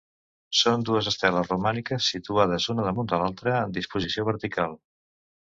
Són dues esteles romàniques, situades una damunt l'altra en disposició vertical.